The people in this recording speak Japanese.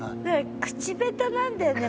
口下手なんだよね